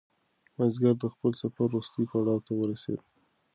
مازیګر د خپل سفر وروستي پړاو ته ورسېد.